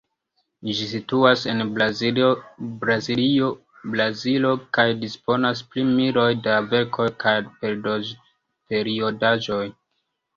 Ĝi situas en Braziljo, Brazilo, kaj disponas pri miloj da verkoj kaj periodaĵoj.